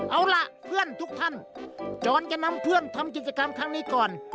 เอาล่ะเพื่อนทุกท่านจรจะนำเพื่อนทำกิจกรรมครั้งนี้ก่อน